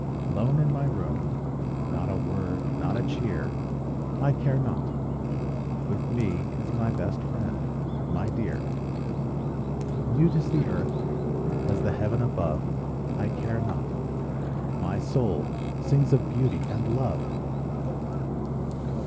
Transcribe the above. Lone in my room, Not a word, not a cheer— I care not—with me Is my best friend—my dear. Mute is the earth, As the heaven above; I care not—my soul Sings of beauty and love!